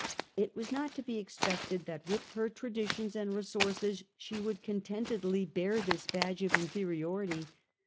It was not to be expected that with her traditions and resources she would contentedly bear this badge of inferiority.